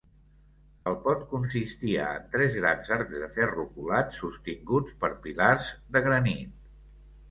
El pont consistia en tres grans arcs de ferro colat sostinguts per pilars de granit.